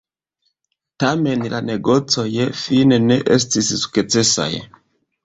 Tamen la negocoj fine ne estis sukcesaj.